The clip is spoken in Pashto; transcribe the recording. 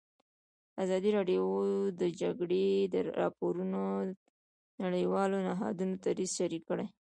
ازادي راډیو د د جګړې راپورونه د نړیوالو نهادونو دریځ شریک کړی.